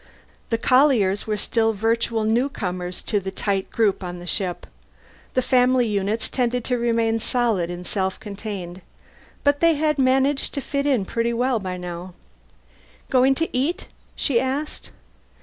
The Colliers were still virtual newcomers to the tight group on the ship the family units tended to remain solid and self contained but they had managed to fit in pretty well by now. "Going to eat?" she asked.